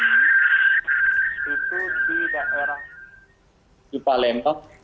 itu di daerah jepalem jepang